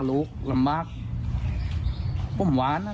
ตอนนี้ก็เพิ่งที่จะสูญเสียคุณย่าไปไม่นาน